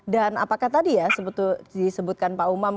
dan apakah tadi ya disebutkan pak umam